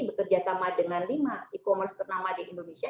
bekerja sama dengan lima e commerce ternama di indonesia